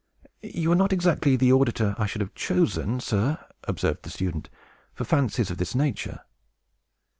"You are not exactly the auditor that I should have chosen, sir," observed the student, "for fantasies of this nature."